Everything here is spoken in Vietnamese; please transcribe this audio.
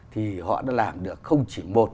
thì họ đã làm được không chỉ một